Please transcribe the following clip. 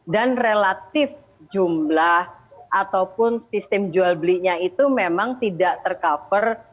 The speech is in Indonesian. dan relatif jumlah ataupun sistem jual belinya itu memang tidak tercover